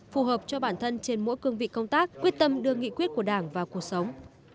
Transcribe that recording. phù hợp cho bản thân trên mỗi cương vị công tác quyết tâm đưa nghị quyết của đảng vào cuộc sống